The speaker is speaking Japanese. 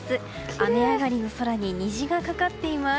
雨上がりの空に虹がかかっています。